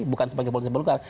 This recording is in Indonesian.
bukan sebagai partai golkar